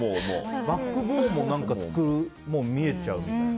バックボーンも見えちゃうみたいな。